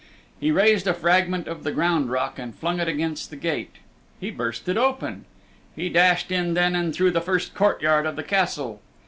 He raised a fragment of the ground rock and flung it against the gate. He burst it open. He dashed in then and through the first courtyard of the Castle.